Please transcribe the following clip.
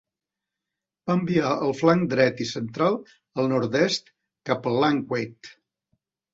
Va enviar el flanc dret i central al nord-est cap a Langquaid.